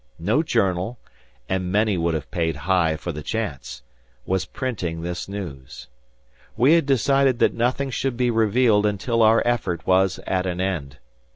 No journal—and many would have paid high for the chance—was printing this news. We had decided that nothing should be revealed until our effort was at an end.